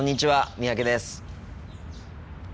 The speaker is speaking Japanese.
三宅です。